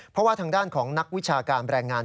เพราะว่าทางด้านของนักวิชาการแรงงาน